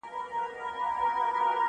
یوه توره تاریکه ورښکارېدله؛